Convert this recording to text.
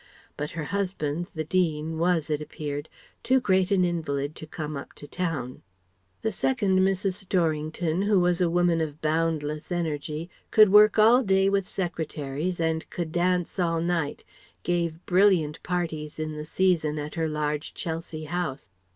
But her husband the Dean was it appeared too great an invalid to come up to town. The second Mrs. Storrington, who was a woman of boundless energy, could work all day with secretaries, and could dance all night, gave brilliant parties in the season at her large Chelsea house.